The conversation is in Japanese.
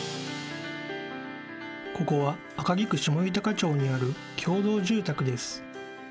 ［ここは赤城区下豊町にある共同住宅です］